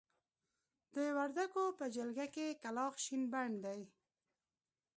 د وردکو په جلګه کې کلاخ شين بڼ دی.